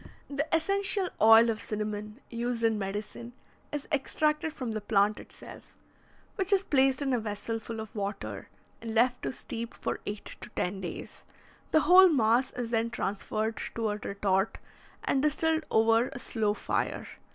The essential oil of cinnamon, used in medicine, is extracted from the plant itself, which is placed in a vessel full of water, and left to steep for eight to ten days. The whole mass is then transferred to a retort and distilled over a slow fire.